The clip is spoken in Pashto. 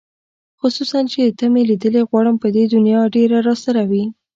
خصوصاً چې ته مې لیدلې غواړم په دې دنیا ډېره راسره وې